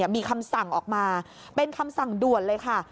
มีคำสั่งออกมาเป็นคำสั่งด่วนเลยค่ะ